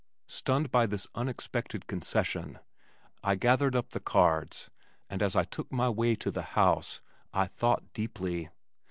Stunned by this unexpected concession, I gathered up the cards, and as I took my way to the house, I thought deeply.